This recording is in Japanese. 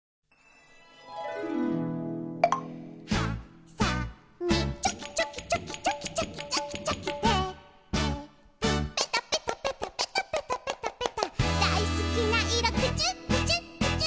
「はさみチョキチョキチョキチョキチョキチョキチョキ」「テープペタペタペタペタペタペタペタ」「だいすきないろクチュクチュクチュクチュ」